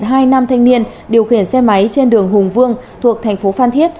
hai nam thanh niên điều khiển xe máy trên đường hùng vương thuộc thành phố phan thiết